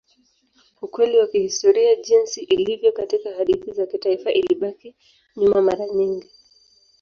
Ukweli wa kihistoria jinsi ilivyo katika hadithi za kitaifa ilibaki nyuma mara nyingi.